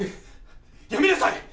やめなさい！